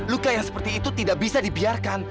luka yang seperti itu tidak bisa dibiarkan